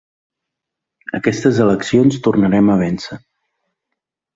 Aquestes eleccions tornarem a vèncer!